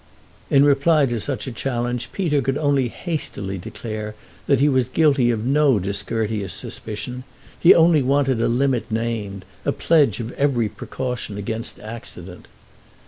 In reply to such a challenge Peter could only hastily declare that he was guilty of no discourteous suspicion—he only wanted a limit named, a pledge of every precaution against accident.